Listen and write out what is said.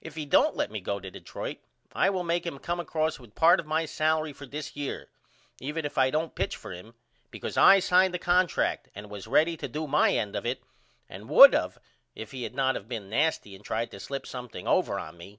If he don't let me go to Detroit I will make him come across with part of my salery for this year even if I don't pitch for him because I signed a contract and was ready to do my end of it and would of if he had not of been nasty and tried to slip something over on me.